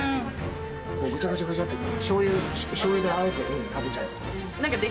こうぐちゃぐちゃぐちゃってしょう油しょう油であえて食べちゃうとか。